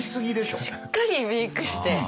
しっかりメークして。